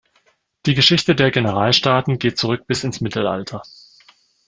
Die Geschichte der Generalstaaten geht zurück bis ins Mittelalter.